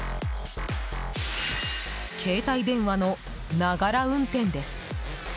携帯電話の、ながら運転です。